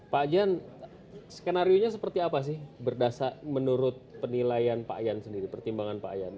pak jan skenario seperti apa sih berdasar menurut penilaian pak jan sendiri pertimbangan pak jan